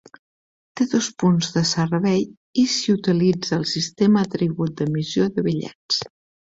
Té dos punts de servei i s'hi utilitza el sistema Tribut d'emissió de bitllets.